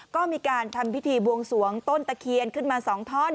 ก็มีการทำพิธีบวงสวงต้นตะเคียนขึ้นมา๒ท่อน